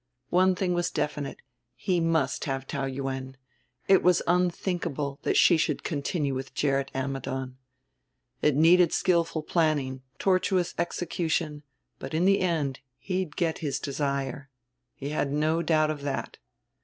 One thing was definite he must have Taou Yuen; it was unthinkable that she should continue with Gerrit Ammidon. It needed skillful planning, tortuous execution, but in the end he'd get his desire. He had no doubt of that.